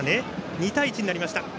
２対１になりました。